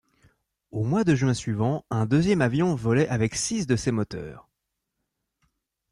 Au mois de juin suivant un deuxième avion volait avec six de ces moteurs.